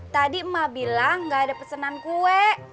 tadi emak bilang gaada pesenan kue